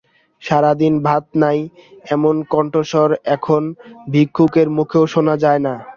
সারা দিন ভাত খাই নাই—এমন কণ্ঠস্বর এখন ভিক্ষুকের মুখেও শোনা যায় না।